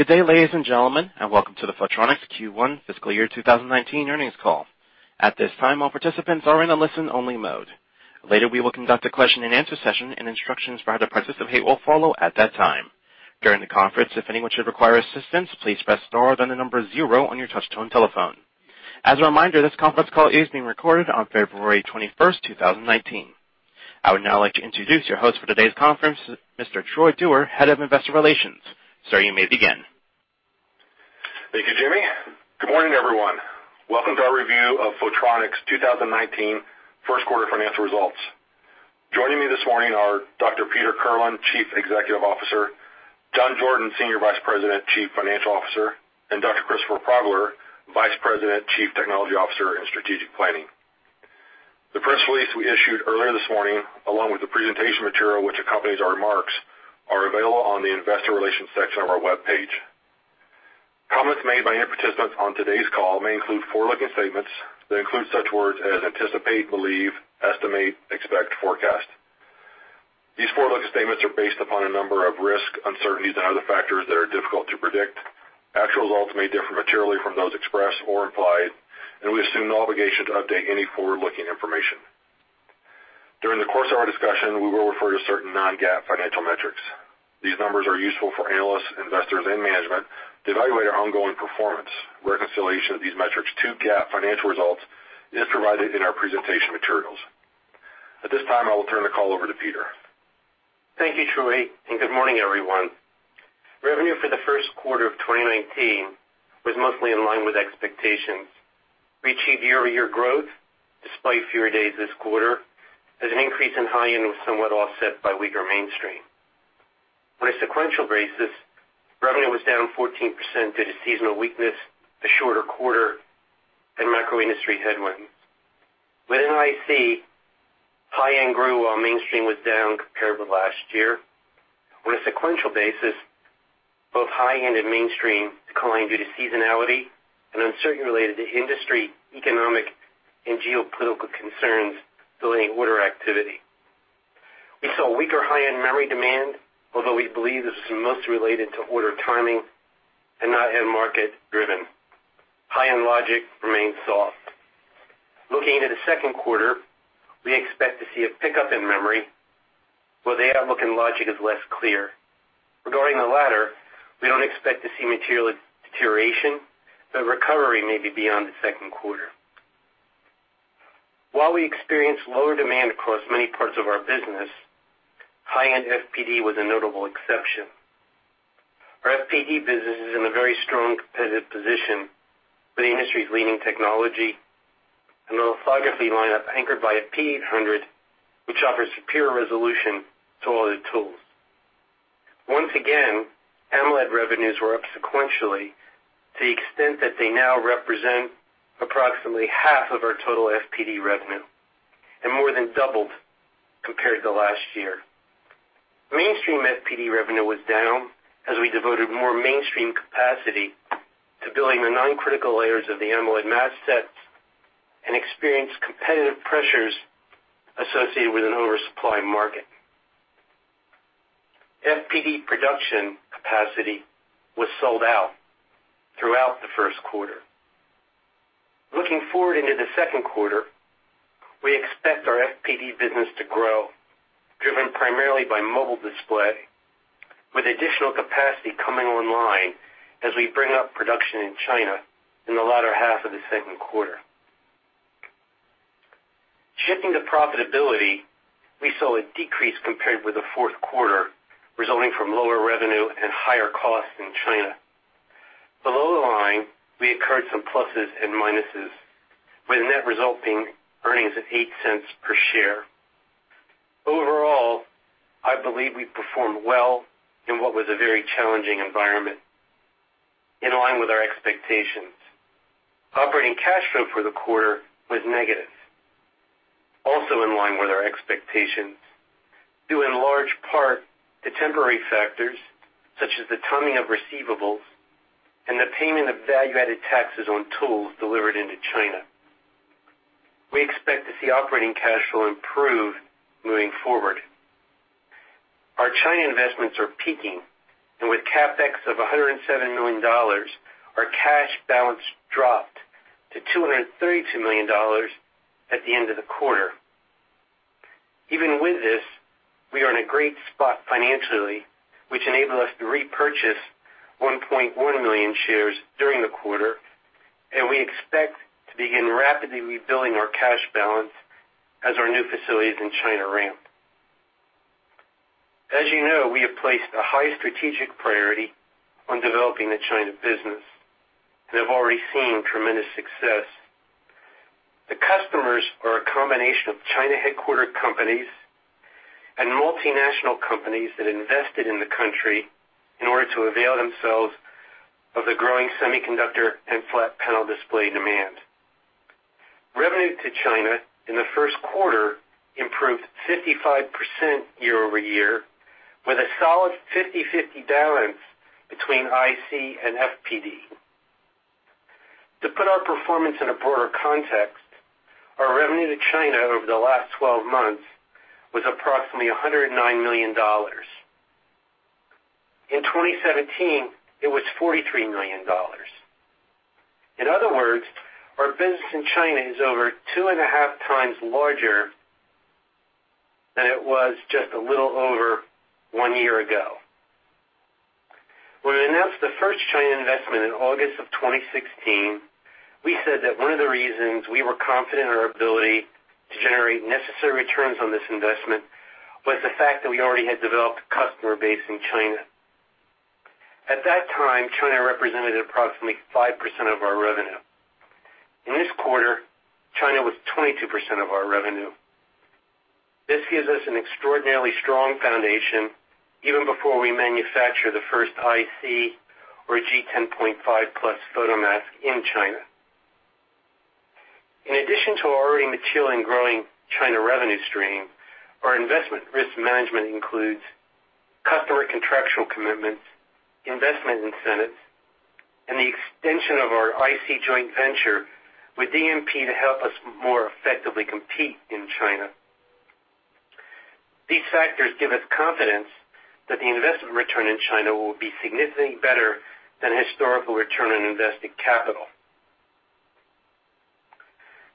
Good day, ladies and gentlemen, and welcome to the Photronics Q1 FY2019 Earnings Call. At this time, all participants are in a listen-only mode. Later, we will conduct a question-and-answer session, and instructions for how to participate will follow at that time. During the conference, if anyone should require assistance, please press star or the number zero on your touch-tone telephone. As a reminder, this conference call is being recorded on February 21, 2019. I would now like to introduce your host for today's conference, Mr. Troy Dewar, Head of Investor Relations. Sir, you may begin. Thank you, Jimmy. Good morning, everyone. Welcome to our review of Photronics 2019 first quarter financial results. Joining me this morning are Dr. Peter Kirlin, Chief Executive Officer, John Jordan, Senior Vice President, Chief Financial Officer, and Dr. Christopher Progler, Vice President, Chief Technology Officer and Strategic Planning. The press release we issued earlier this morning, along with the presentation material which accompanies our remarks, is available on the Investor Relations section of our webpage. Comments made by any participants on today's call may include forward-looking statements that include such words as anticipate, believe, estimate, expect, forecast. These forward-looking statements are based upon a number of risks, uncertainties, and other factors that are difficult to predict. Actual results may differ materially from those expressed or implied, and we assume no obligation to update any forward-looking information. During the course of our discussion, we will refer to certain non-GAAP financial metrics. These numbers are useful for analysts, investors, and management to evaluate our ongoing performance. Reconciliation of these metrics to GAAP financial results is provided in our presentation materials. At this time, I will turn the call over to Peter. Thank you, Troy, and good morning, everyone. Revenue for the first quarter of 2019 was mostly in line with expectations, reaching year-over-year growth despite fewer days this quarter, as an increase in high-end was somewhat offset by weaker mainstream. On a sequential basis, revenue was down 14% due to seasonal weakness, a shorter quarter, and macro-industry headwinds. Within IC, high-end grew while mainstream was down compared with last year. On a sequential basis, both high-end and mainstream declined due to seasonality and uncertainty related to industry, economic, and geopolitical concerns delaying order activity. We saw weaker high-end memory demand, although we believe this was mostly related to order timing and not end-market-driven. High-end logic remained soft. Looking into the second quarter, we expect to see a pickup in memory, though the outlook in logic is less clear. Regarding the latter, we don't expect to see material deterioration, but recovery may be beyond the second quarter. While we experienced lower demand across many parts of our business, high-end FPD was a notable exception. Our FPD business is in a very strong competitive position with the industry's leading technology and our technology lineup anchored by a P-800, which offers superior resolution to all the tools. Once again, AMOLED revenues were up sequentially to the extent that they now represent approximately half of our total FPD revenue and more than doubled compared to last year. Mainstream FPD revenue was down as we devoted more mainstream capacity to building the non-critical layers of the AMOLED mask sets and experienced competitive pressures associated with an oversupplied market. FPD production capacity was sold out throughout the first quarter. Looking forward into the second quarter, we expect our FPD business to grow, driven primarily by mobile display, with additional capacity coming online as we bring up production in China in the latter half of the second quarter. Shifting to profitability, we saw a decrease compared with the fourth quarter, resulting from lower revenue and higher costs in China. Below the line, we incurred some pluses and minuses, with the net result being earnings of $0.08 per share. Overall, I believe we performed well in what was a very challenging environment, in line with our expectations. Operating cash flow for the quarter was negative, also in line with our expectations, due in large part to temporary factors such as the timing of receivables and the payment of value-added taxes on tools delivered into China. We expect to see operating cash flow improve moving forward. Our China investments are peaking, and with CapEx of $107 million, our cash balance dropped to $232 million at the end of the quarter. Even with this, we are in a great spot financially, which enabled us to repurchase 1.1 million shares during the quarter, and we expect to begin rapidly rebuilding our cash balance as our new facilities in China ramp. As you know, we have placed a high strategic priority on developing the China business and have already seen tremendous success. The customers are a combination of China headquartered companies and multinational companies that invested in the country in order to avail themselves of the growing semiconductor and flat panel display demand. Revenue to China in the first quarter improved 55% year-over-year, with a solid 50/50 balance between IC and FPD. To put our performance in a broader context, our revenue to China over the last 12 months was approximately $109 million. In 2017, it was $43 million. In other words, our business in China is over two and a half times larger than it was just a little over one year ago. When we announced the first China investment in August of 2016, we said that one of the reasons we were confident in our ability to generate necessary returns on this investment was the fact that we already had developed a customer base in China. At that time, China represented approximately 5% of our revenue. In this quarter, China was 22% of our revenue. This gives us an extraordinarily strong foundation even before we manufacture the first IC or G10.5+ photomask in China. In addition to our already mature and growing China revenue stream, our investment risk management includes customer contractual commitments, investment incentives, and the extension of our IC joint venture with DNP to help us more effectively compete in China. These factors give us confidence that the investment return in China will be significantly better than historical return on invested capital.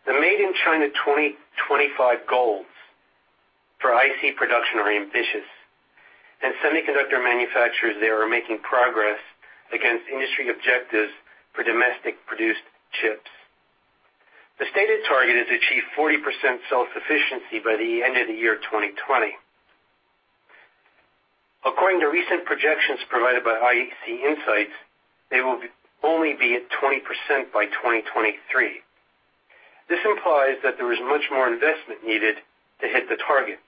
The Made in China 2025 goals for IC production are ambitious, and semiconductor manufacturers there are making progress against industry objectives for domestic-produced chips. The stated target is to achieve 40% self-sufficiency by the end of the year 2020. According to recent projections provided by IC Insights, they will only be at 20% by 2023. This implies that there is much more investment needed to hit the targets.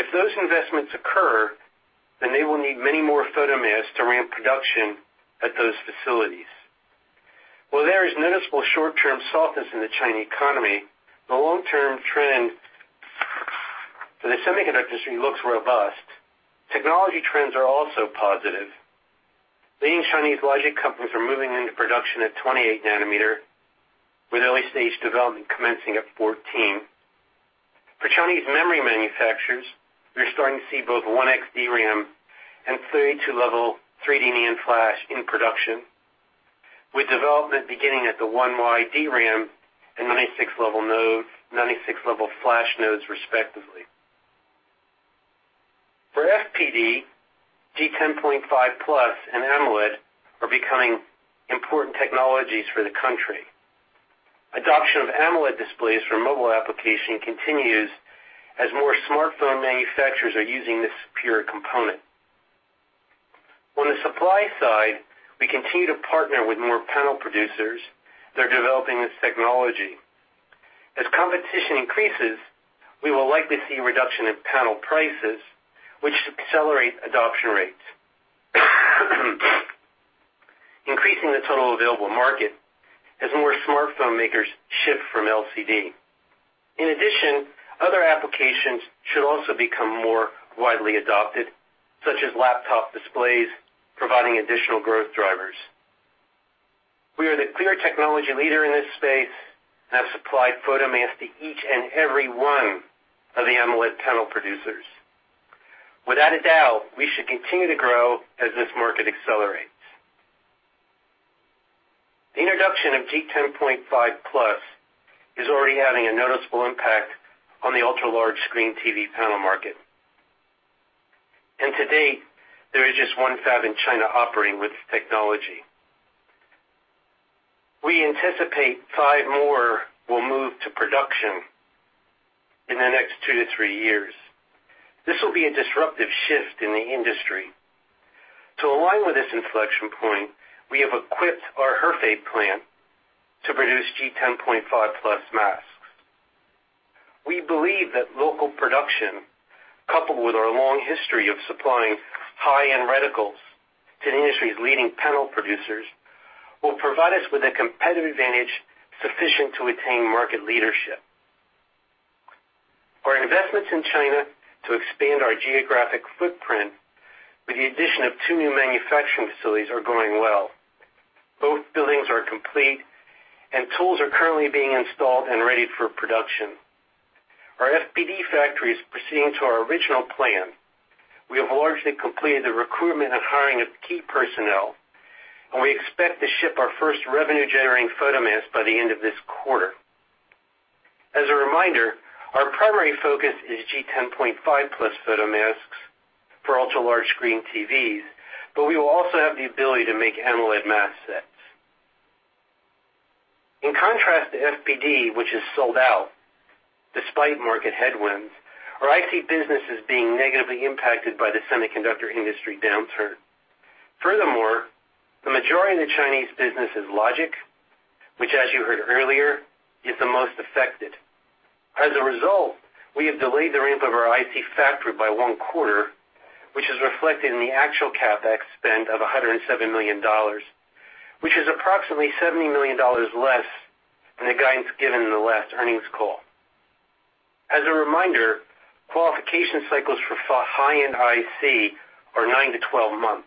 If those investments occur, then they will need many more photomasks to ramp production at those facilities. While there is noticeable short-term softness in the China economy, the long-term trend for the semiconductor industry looks robust. Technology trends are also positive. Leading Chinese logic companies are moving into production at 28 nanometers, with early-stage development commencing at 14. For Chinese memory manufacturers, we are starting to see both 1x DRAM and 32-layer 3D NAND flash in production, with development beginning at the 1x DRAM and 96-layer flash nodes, respectively. For FPD, G10.5 Plus and AMOLED are becoming important technologies for the country. Adoption of AMOLED displays for mobile application continues as more smartphone manufacturers are using this superior component. On the supply side, we continue to partner with more panel producers that are developing this technology. As competition increases, we will likely see a reduction in panel prices, which accelerates adoption rates. Increasing the total available market has more smartphone makers shift from LCD. In addition, other applications should also become more widely adopted, such as laptop displays, providing additional growth drivers. We are the clear technology leader in this space and have supplied photomasks to each and every one of the AMOLED panel producers. Without a doubt, we should continue to grow as this market accelerates. The introduction of G10.5 Plus is already having a noticeable impact on the ultra-large screen TV panel market. And to date, there is just one fab in China operating with this technology. We anticipate five more will move to production in the next two to three years. This will be a disruptive shift in the industry. To align with this inflection point, we have equipped our Hefei plant to produce G10.5 Plus masks. We believe that local production, coupled with our long history of supplying high-end reticles to the industry's leading panel producers, will provide us with a competitive advantage sufficient to attain market leadership. Our investments in China to expand our geographic footprint, with the addition of two new manufacturing facilities, are going well. Both buildings are complete, and tools are currently being installed and ready for production. Our FPD factory is proceeding to our original plan. We have largely completed the recruitment and hiring of key personnel, and we expect to ship our first revenue-generating photomask by the end of this quarter. As a reminder, our primary focus is G10.5 Plus photomasks for ultra-large screen TVs, but we will also have the ability to make AMOLED mask sets. In contrast to FPD, which is sold out despite market headwinds, our IC business is being negatively impacted by the semiconductor industry downturn. Furthermore, the majority of the Chinese business is logic, which, as you heard earlier, is the most affected. As a result, we have delayed the ramp of our IC factory by one quarter, which is reflected in the actual CapEx spend of $107 million, which is approximately $70 million less than the guidance given in the last earnings call. As a reminder, qualification cycles for high-end IC are 9-12 months,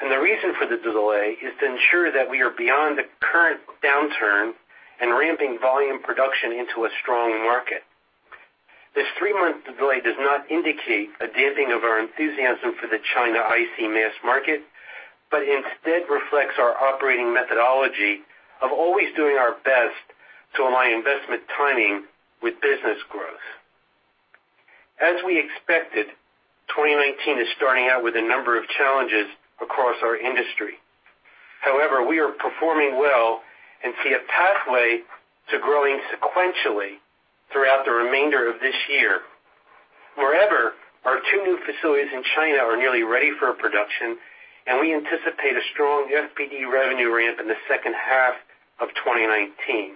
and the reason for the delay is to ensure that we are beyond the current downturn and ramping volume production into a strong market. This three-month delay does not indicate a damping of our enthusiasm for the China IC mass market, but instead reflects our operating methodology of always doing our best to align investment timing with business growth. As we expected, 2019 is starting out with a number of challenges across our industry. However, we are performing well and see a pathway to growing sequentially throughout the remainder of this year. Moreover, our two new facilities in China are nearly ready for production, and we anticipate a strong FPD revenue ramp in the second half of 2019.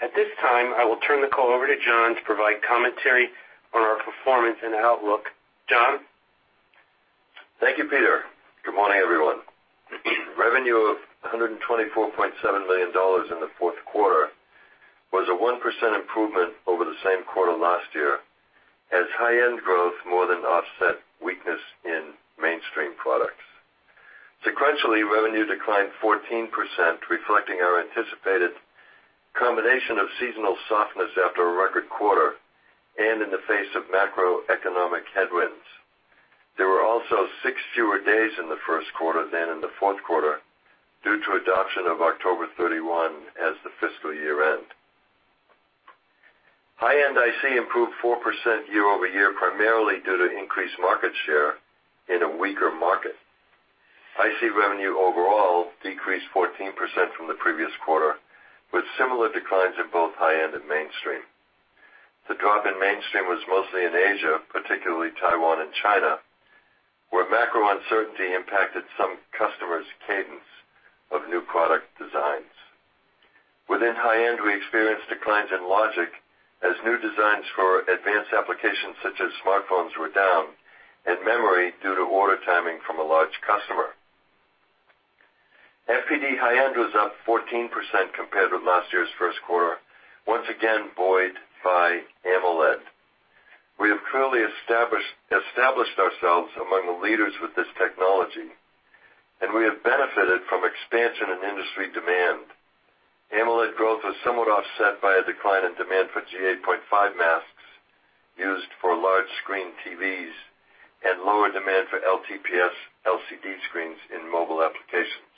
At this time, I will turn the call over to John to provide commentary on our performance and outlook. John? Thank you, Peter. Good morning, everyone. Revenue of $124.7 million in the fourth quarter was a 1% improvement over the same quarter last year, as high-end growth more than offset weakness in mainstream products. Sequentially, revenue declined 14%, reflecting our anticipated combination of seasonal softness after a record quarter and in the face of macroeconomic headwinds. There were also six fewer days in the first quarter than in the fourth quarter due to adoption of October 31 as the fiscal year-end. High-end IC improved 4% year-over-year, primarily due to increased market share in a weaker market. IC revenue overall decreased 14% from the previous quarter, with similar declines in both high-end and mainstream. The drop in mainstream was mostly in Asia, particularly Taiwan and China, where macro uncertainty impacted some customers' cadence of new product designs. Within high-end, we experienced declines in logic, as new designs for advanced applications such as smartphones were down, and memory due to order timing from a large customer. FPD high-end was up 14% compared with last year's first quarter, once again buoyed by AMOLED. We have clearly established ourselves among the leaders with this technology, and we have benefited from expansion in industry demand. AMOLED growth was somewhat offset by a decline in demand for G8.5 masks used for large screen TVs and lower demand for LTPS LCD screens in mobile applications.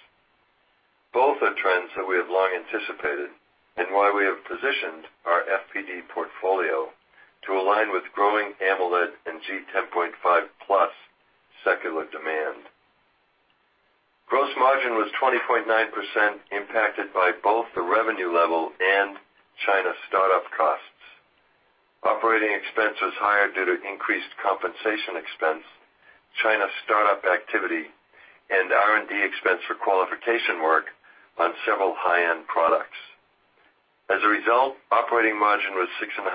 Both are trends that we have long anticipated and why we have positioned our FPD portfolio to align with growing AMOLED and G10.5+ secular demand. Gross margin was 20.9%, impacted by both the revenue level and China startup costs. Operating expense was higher due to increased compensation expense, China startup activity, and R&D expense for qualification work on several high-end products. As a result, operating margin was 6.5%.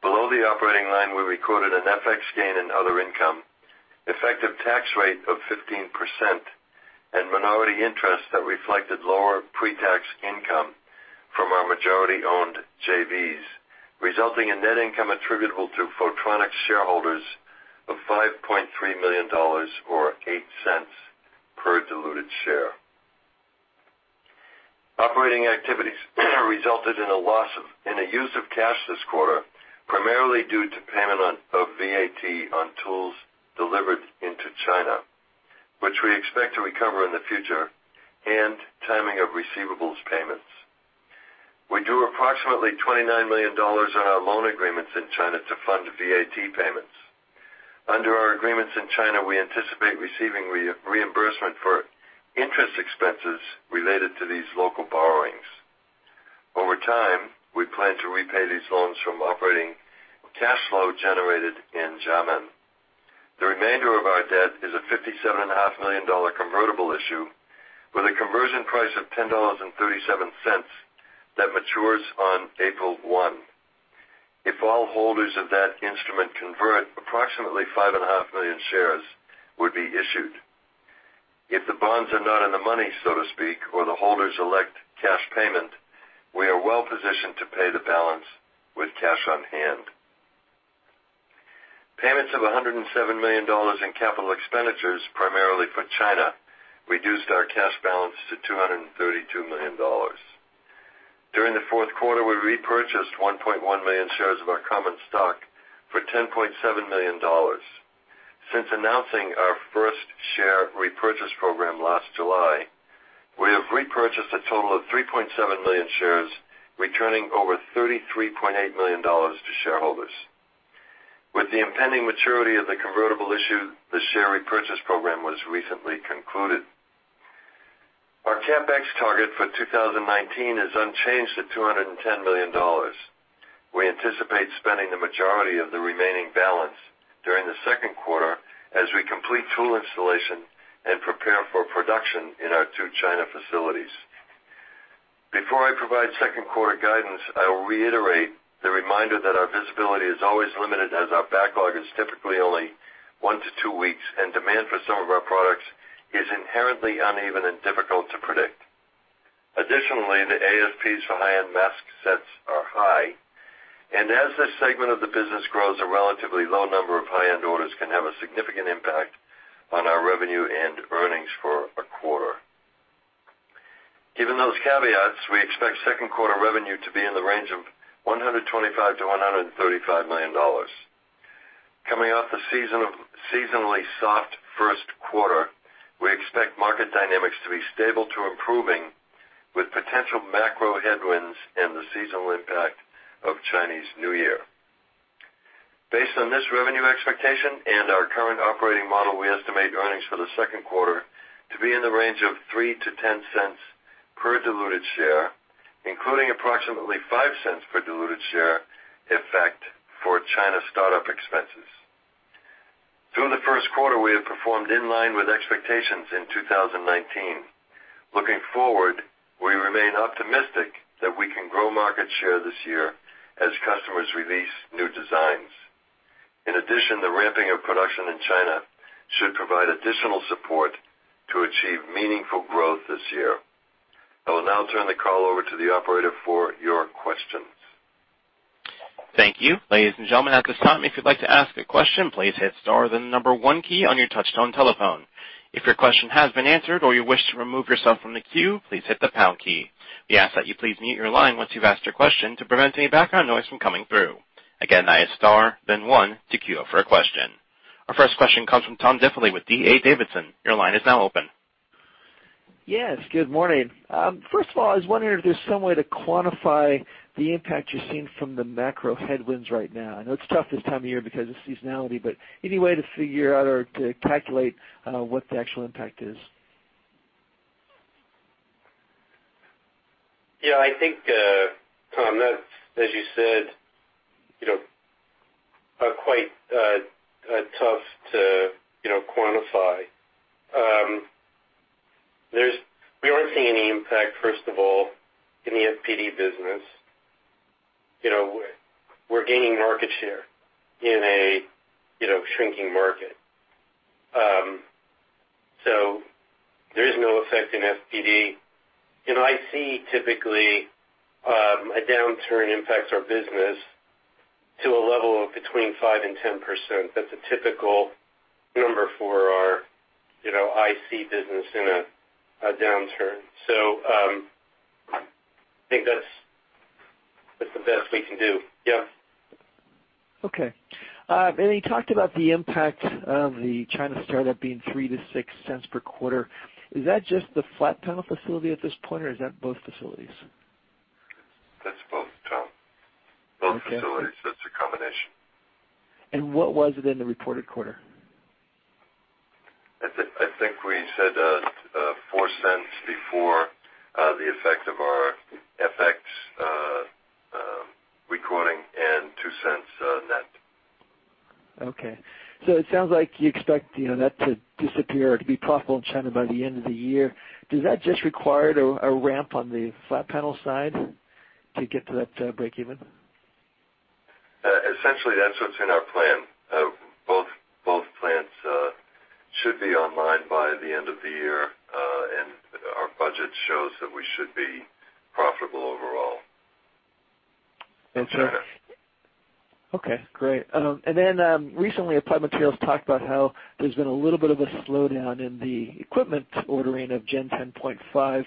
Below the operating line, we recorded an FX gain in other income, effective tax rate of 15%, and minority interest that reflected lower pre-tax income from our majority-owned JVs, resulting in net income attributable to Photronics shareholders of $5.3 million or $0.08 per diluted share. Operating activities resulted in a loss in the use of cash this quarter, primarily due to payment of VAT on tools delivered into China, which we expect to recover in the future, and timing of receivables payments. We drew approximately $29 million on our loan agreements in China to fund VAT payments. Under our agreements in China, we anticipate receiving reimbursement for interest expenses related to these local borrowings. Over time, we plan to repay these loans from operating cash flow generated in Xiamen. The remainder of our debt is a $57.5 million convertible issue, with a conversion price of $10.37 that matures on April 1. If all holders of that instrument convert, approximately 5.5 million shares would be issued. If the bonds are not in the money, so to speak, or the holders elect cash payment, we are well positioned to pay the balance with cash on hand. Payments of $107 million in capital expenditures, primarily for China, reduced our cash balance to $232 million. During the fourth quarter, we repurchased 1.1 million shares of our common stock for $10.7 million. Since announcing our first share repurchase program last July, we have repurchased a total of 3.7 million shares, returning over $33.8 million to shareholders. With the impending maturity of the convertible issue, the share repurchase program was recently concluded. Our CapEx target for 2019 is unchanged at $210 million. We anticipate spending the majority of the remaining balance during the second quarter as we complete tool installation and prepare for production in our two China facilities. Before I provide second quarter guidance, I will reiterate the reminder that our visibility is always limited, as our backlog is typically only one to two weeks, and demand for some of our products is inherently uneven and difficult to predict. Additionally, the AFPs for high-end mask sets are high, and as this segment of the business grows, a relatively low number of high-end orders can have a significant impact on our revenue and earnings for a quarter. Given those caveats, we expect second quarter revenue to be in the range of $125-$135 million. Coming off the seasonally soft first quarter, we expect market dynamics to be stable to improving with potential macro headwinds and the seasonal impact of Chinese New Year. Based on this revenue expectation and our current operating model, we estimate earnings for the second quarter to be in the range of $0.03-$0.10 per diluted share, including approximately $0.05 per diluted share effect for China startup expenses. Through the first quarter, we have performed in line with expectations in 2019. Looking forward, we remain optimistic that we can grow market share this year as customers release new designs. In addition, the ramping of production in China should provide additional support to achieve meaningful growth this year. I will now turn the call over to the operator for your questions. Thank you, ladies and gentlemen. At this time, if you'd like to ask a question, please hit star then number one key on your touch-tone telephone. If your question has been answered or you wish to remove yourself from the queue, please hit the pound key. We ask that you please mute your line once you've asked your question to prevent any background noise from coming through. Again, that is star then one to queue up for a question. Our first question comes from Tom Diffely with D.A. Davidson. Your line is now open. Yes, good morning. First of all, I was wondering if there's some way to quantify the impact you're seeing from the macro headwinds right now. I know it's tough this time of year because of seasonality, but any way to figure out or to calculate what the actual impact is? Yeah, I think, Tom, that's, as you said, quite tough to quantify. We aren't seeing any impact, first of all, in the FPD business. We're gaining market share in a shrinking market. So there is no effect in FPD. In IC, typically, a downturn impacts our business to a level of between 5% and 10%. That's a typical number for our IC business in a downturn. So I think that's the best we can do. Yep. Okay. And then you talked about the impact of the China startup being 3-6 cents per quarter. Is that just the flat panel facility at this point, or is that both facilities? That's both, Tom. Both facilities. That's a combination. And what was it in the reported quarter? I think we said $0.04 before the effect of our FX recording and $0.02 net. Okay. So it sounds like you expect that to disappear or to be profitable in China by the end of the year. Does that just require a ramp on the flat panel side to get to that break-even? Essentially, that's what's in our plan. Both plants should be online by the end of the year, and our budget shows that we should be profitable overall. Okay. Okay. Great. And then recently, Applied Materials talked about how there's been a little bit of a slowdown in the equipment ordering of G10.5,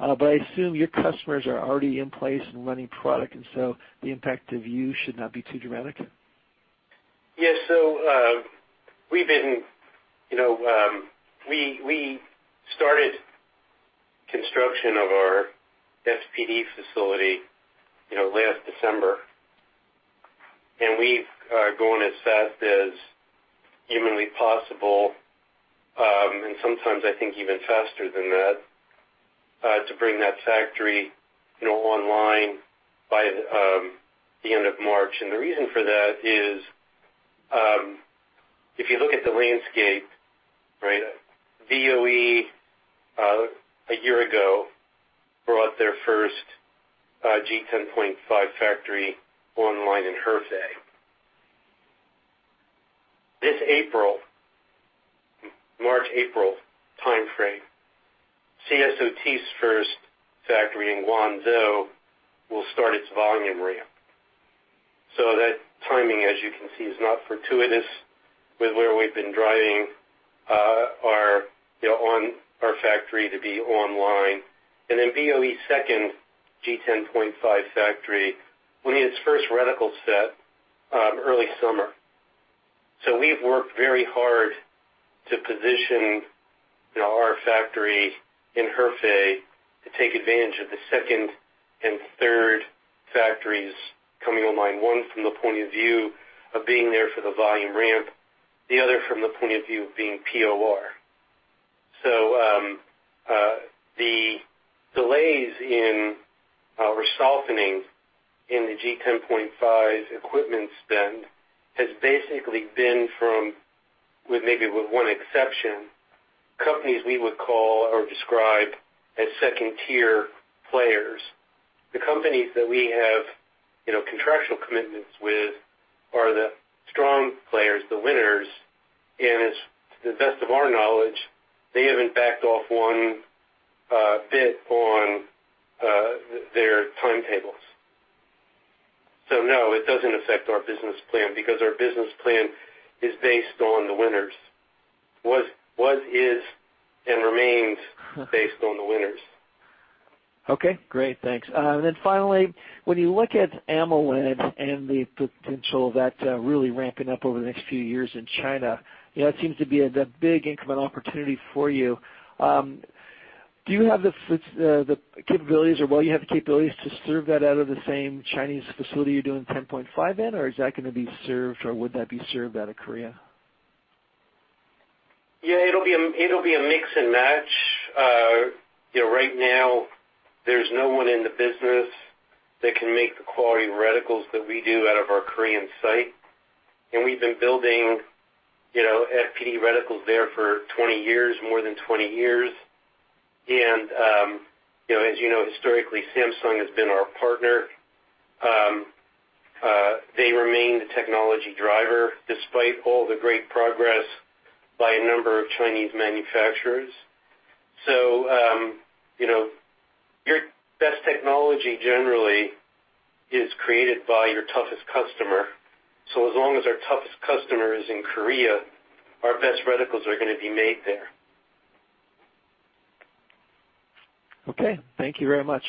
but I assume your customers are already in place and running product, and so the impact of you should not be too dramatic? Yeah. So we started construction of our FPD facility last December, and we are going as fast as humanly possible, and sometimes I think even faster than that, to bring that factory online by the end of March. The reason for that is, if you look at the landscape, right, BOE a year ago brought their first G10.5 factory online in Hefei. This April, March-April timeframe, CSOT's first factory in Guangzhou will start its volume ramp. That timing, as you can see, is not fortuitous with where we've been driving our factory to be online. And then BOE's second G10.5 factory will need its first reticle set early summer. So we've worked very hard to position our factory in Hefei to take advantage of the second and third factories coming online, one from the point of view of being there for the volume ramp, the other from the point of view of being POR. So the delays in or softening in the G10.5 equipment spend has basically been from, with maybe one exception, companies we would call or describe as second-tier players. The companies that we have contractual commitments with are the strong players, the winners, and to the best of our knowledge, they haven't backed off one bit on their timetables. So no, it doesn't affect our business plan because our business plan is based on the winners, was, is, and remains based on the winners. Okay. Great. Thanks. Then finally, when you look at AMOLED and the potential of that really ramping up over the next few years in China, it seems to be a big incremental opportunity for you. Do you have the capabilities, or will you have the capabilities to serve that out of the same Chinese facility you're doing 10.5 in, or is that going to be served, or would that be served out of Korea? Yeah, it'll be a mix and match. Right now, there's no one in the business that can make the quality reticles that we do out of our Korean site. And we've been building FPD reticles there for 20 years, more than 20 years. And as you know, historically, Samsung has been our partner. They remain the technology driver despite all the great progress by a number of Chinese manufacturers. Your best technology generally is created by your toughest customer. So as long as our toughest customer is in Korea, our best reticles are going to be made there. Okay. Thank you very much.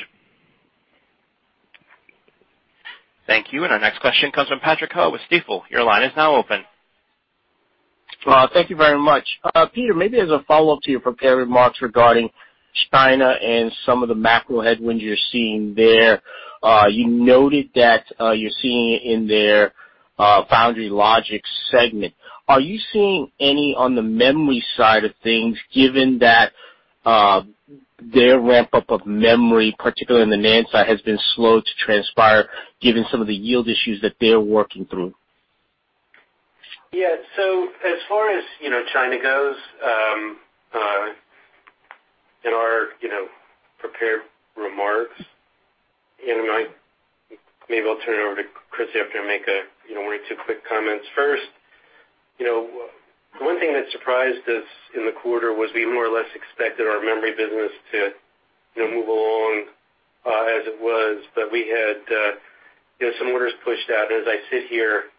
Thank you. And our next question comes from Patrick Ho with Stifel. Your line is now open. Thank you very much. Peter, maybe as a follow-up to your prepared remarks regarding China and some of the macro headwinds you're seeing there, you noted that you're seeing it in their foundry logic segment. Are you seeing any on the memory side of things, given that their ramp-up of memory, particularly on the NAND side, has been slow to transpire, given some of the yield issues that they're working through? Yeah. So as far as China goes, in our prepared remarks, and maybe I'll turn it over to Chris after I make one or two quick comments. First, one thing that surprised us in the quarter was we more or less expected our memory business to move along as it was, but we had some orders pushed out, and as I sit here,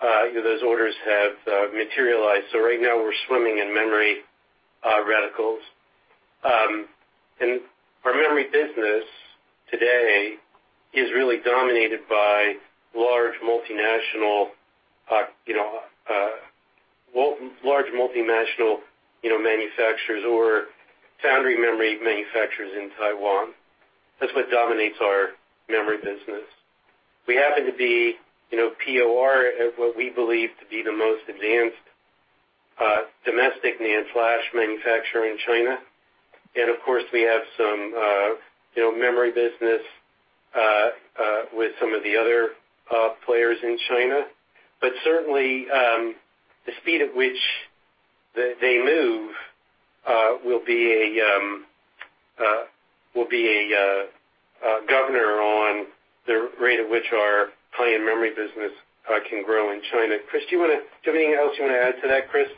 those orders have materialized, so right now, we're swimming in memory reticles, and our memory business today is really dominated by large multinational manufacturers or foundry memory manufacturers in Taiwan. That's what dominates our memory business. We happen to be POR at what we believe to be the most advanced domestic NAND flash manufacturer in China, and of course, we have some memory business with some of the other players in China, but certainly, the speed at which they move will be a governor on the rate at which our high-end memory business can grow in China. Chris, do you have anything else you want to add to that, Chris?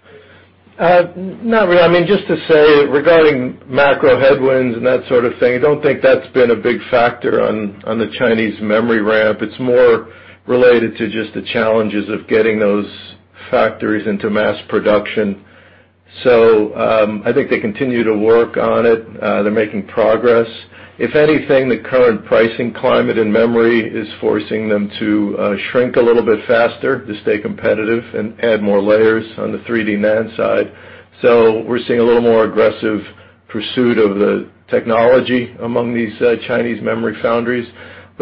Not really. I mean, just to say, regarding macro headwinds and that sort of thing, I don't think that's been a big factor on the Chinese memory ramp. It's more related to just the challenges of getting those factories into mass production. So I think they continue to work on it. They're making progress. If anything, the current pricing climate in memory is forcing them to shrink a little bit faster to stay competitive and add more layers on the 3D NAND side. So we're seeing a little more aggressive pursuit of the technology among these Chinese memory foundries.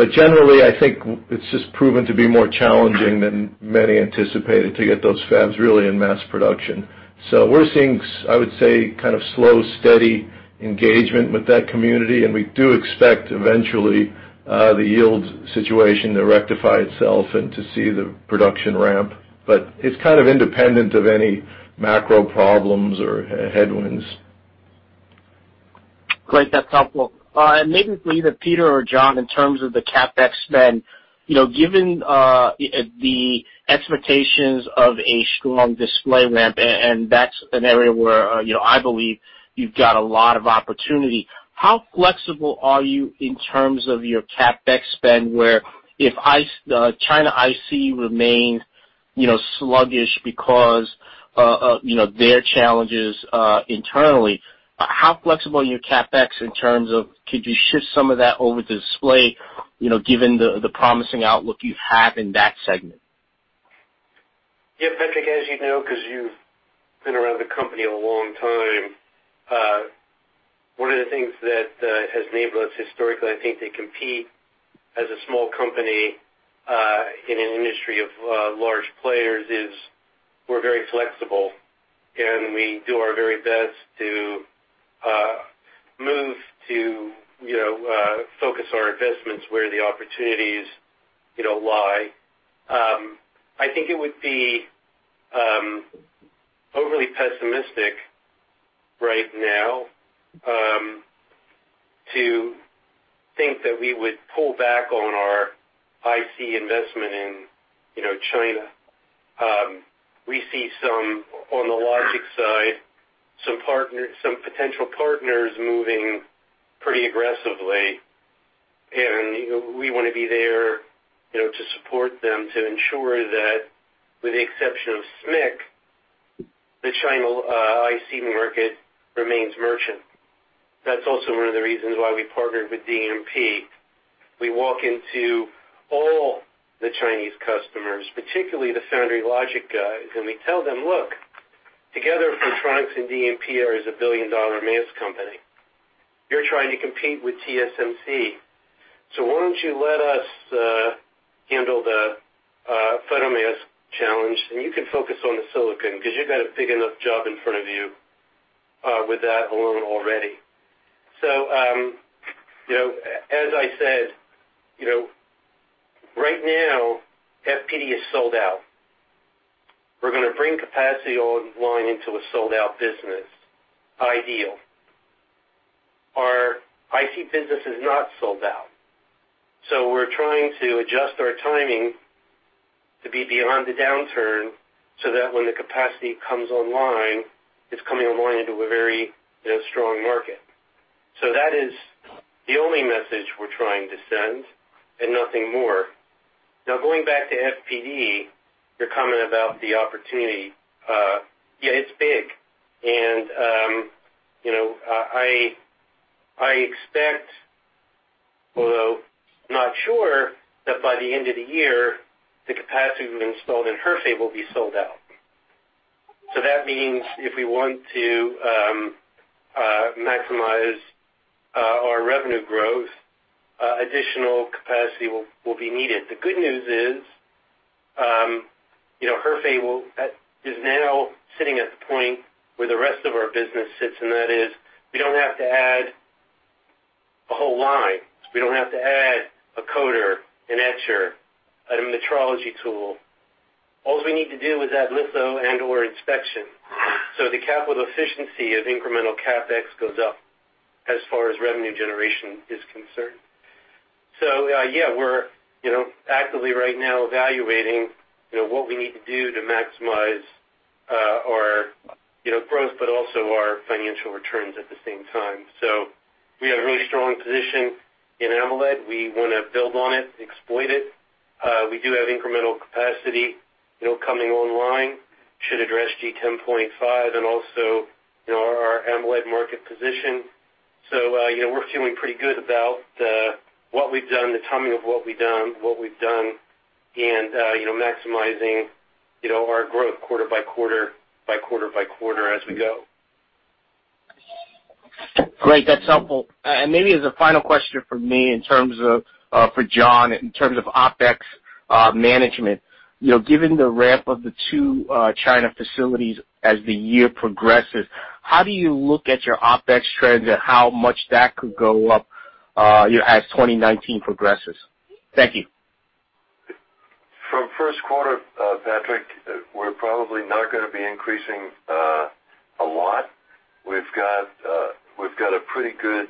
But generally, I think it's just proven to be more challenging than many anticipated to get those fabs really in mass production. So we're seeing, I would say, kind of slow, steady engagement with that community. And we do expect eventually the yield situation to rectify itself and to see the production ramp. But it's kind of independent of any macro problems or headwinds. Great. That's helpful. And maybe for either Peter or John, in terms of the CapEx spend, given the expectations of a strong display ramp, and that's an area where I believe you've got a lot of opportunity, how flexible are you in terms of your CapEx spend where if China IC remains sluggish because of their challenges internally, how flexible are your CapEx in terms of could you shift some of that over to display given the promising outlook you have in that segment? Yeah, Patrick, as you know, because you've been around the company a long time, one of the things that has enabled us historically, I think they compete as a small company in an industry of large players is we're very flexible, and we do our very best to move to focus our investments where the opportunities lie. I think it would be overly pessimistic right now to think that we would pull back on our IC investment in China. We see some on the logic side, some potential partners moving pretty aggressively, and we want to be there to support them to ensure that with the exception of SMIC, the China IC market remains merchant. That's also one of the reasons why we partnered with DNP. We walk into all the Chinese customers, particularly the foundry logic guys, and we tell them, "Look, together Photronics and DNP are a billion-dollar mask company. You're trying to compete with TSMC. So why don't you let us handle the photomask challenge, and you can focus on the silicon because you've got a big enough job in front of you with that alone already." So as I said, right now, FPD is sold out. We're going to bring capacity online into a sold-out business, ideal. Our IC business is not sold out. So we're trying to adjust our timing to be beyond the downturn so that when the capacity comes online, it's coming online into a very strong market. So that is the only message we're trying to send and nothing more. Now, going back to FPD, your comment about the opportunity, yeah, it's big. I expect, although not sure, that by the end of the year, the capacity we've installed in Hefei will be sold out. That means if we want to maximize our revenue growth, additional capacity will be needed. The good news is Hefei is now sitting at the point where the rest of our business sits, and that is we don't have to add a whole line. We don't have to add a coder, an etcher, a metrology tool. All we need to do is add litho and/or inspection. The capital efficiency of incremental CapEx goes up as far as revenue generation is concerned. Yeah, we're actively right now evaluating what we need to do to maximize our growth, but also our financial returns at the same time. We have a really strong position in AMOLED. We want to build on it, exploit it. We do have incremental capacity coming online. Should address G10.5 and also our AMOLED market position, so we're feeling pretty good about what we've done, the timing of what we've done, and maximizing our growth quarter by quarter by quarter-by-quarter as we go. Great. That's helpful, and maybe as a final question for me in terms of for John, in terms of OpEx management, given the ramp of the two China facilities as the year progresses, how do you look at your OpEx trends and how much that could go up as 2019 progresses? Thank you. From first quarter, Patrick, we're probably not going to be increasing a lot. We've got a pretty good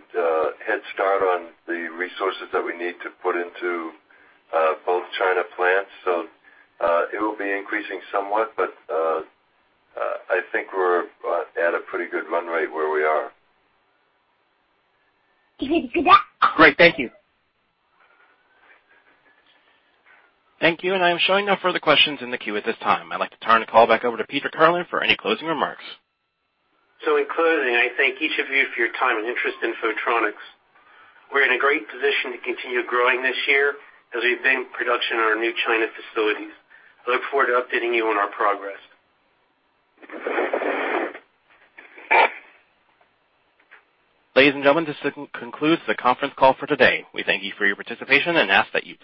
head start on the resources that we need to put into both China plants, so it will be increasing somewhat, but I think we're at a pretty good run rate where we are. Great. Thank you. Thank you. And I'm showing no further questions in the queue at this time. I'd like to turn the call back over to Peter Kirlin for any closing remarks. So in closing, I thank each of you for your time and interest in Photronics. We're in a great position to continue growing this year as we begin production on our new China facilities. I look forward to updating you on our progress. Ladies and gentlemen, this concludes the conference call for today. We thank you for your participation and ask that you please.